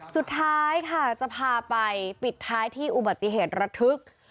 สุดท้ายค่ะจะพาไปปิดท้ายที่อุบัติเหตุระทึก